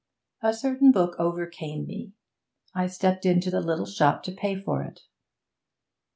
A certain book overcame me; I stepped into the little shop to pay for it.